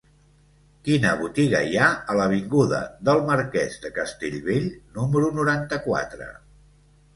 Quina botiga hi ha a l'avinguda del Marquès de Castellbell número noranta-quatre?